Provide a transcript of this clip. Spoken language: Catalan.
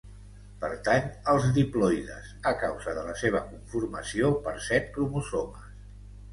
Pertany als diploides a causa de la seva conformació per set cromosomes.